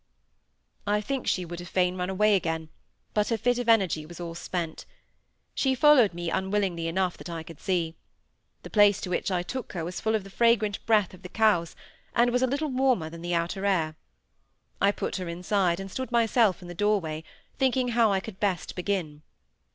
I think she would have fain run away again; but her fit of energy was all spent. She followed me unwillingly enough that I could see. The place to which I took her was full of the fragrant breath of the cows, and was a little warmer than the outer air. I put her inside, and stood myself in the doorway, thinking how I could best begin.